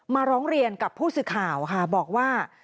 ร้องเรียนกับผู้สื่อข่าวค่ะบอกว่า